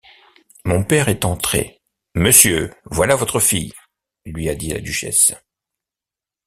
Mon père est entré. —« Monsieur, voilà votre fille, » lui a dit la duchesse.